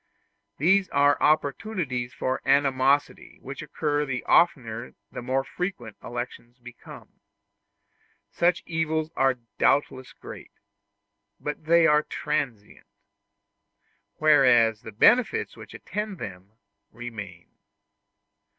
These are opportunities for animosity which occur the oftener the more frequent elections become. Such evils are doubtless great, but they are transient; whereas the benefits which attend them remain.